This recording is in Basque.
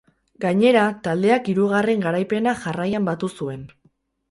Gainera, taldeak hirugarren garaipena jarraian batu zuen.